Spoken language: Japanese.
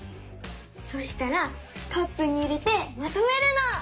そしたらカップに入れてまとめるの！